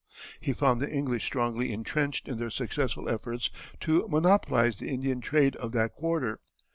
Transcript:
He found the English strongly intrenched in their successful efforts to monopolize the Indian trade of that quarter.